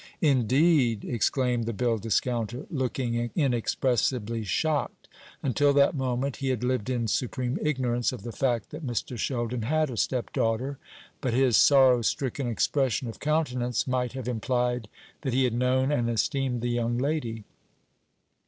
"Indeed!" exclaimed the bill discounter, looking inexpressibly shocked. Until that moment he had lived in supreme ignorance of the fact that Mr. Sheldon had a stepdaughter; but his sorrow stricken expression of countenance might have implied that he had known and esteemed the young lady.